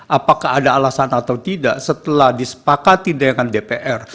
apakah ada alasan atau tidak setelah disepakati dengan dpr